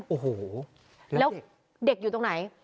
โอ้โหแล้วเด็กอยู่ตรงไหน